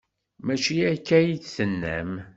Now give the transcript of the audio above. Maci akka ay d-tennam.